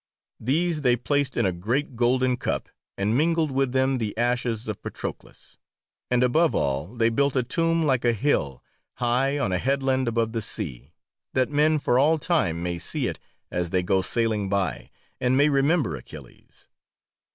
These they placed in a great golden cup and mingled with them the ashes of Patroclus, and above all they built a tomb like a hill, high on a headland above the sea, that men for all time may see it as they go sailing by, and may remember Achilles.